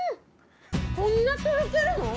こんなとろけるの？